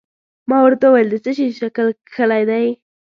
ما ورته وویل: د څه شي شکل کښلی دی؟